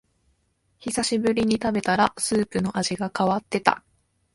久しぶりに食べたらスープの味が変わってた